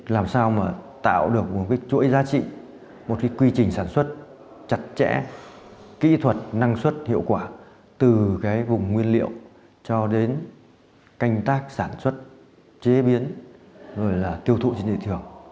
làm sao mà tạo được một cái chuỗi giá trị một cái quy trình sản xuất chặt chẽ kỹ thuật năng suất hiệu quả từ cái vùng nguyên liệu cho đến canh tác sản xuất chế biến rồi là tiêu thụ trên thị trường